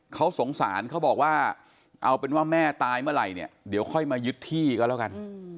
เขาสงสารเขาบอกว่าเอาเป็นว่าแม่ตายเมื่อไหร่เนี่ยเดี๋ยวค่อยมายึดที่ก็แล้วกัน